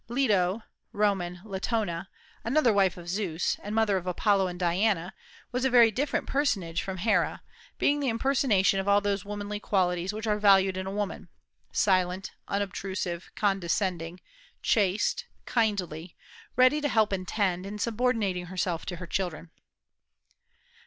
Leto (Roman Latona), another wife of Zeus, and mother of Apollo and Diana, was a very different personage from Hera, being the impersonation of all those womanly qualities which are valued in woman, silent, unobtrusive, condescending, chaste, kindly, ready to help and tend, and subordinating herself to her children.